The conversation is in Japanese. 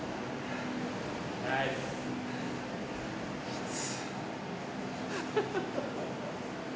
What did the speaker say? きつ。